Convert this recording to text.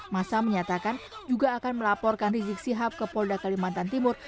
masa menyatakan juga akan melaporkan rizik sihab ke polda kalimantan timur